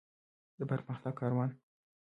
د پرمختګ کاروان.